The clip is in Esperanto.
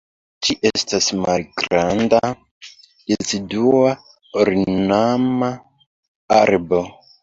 Ĝi estas malgranda, decidua, ornama arbo.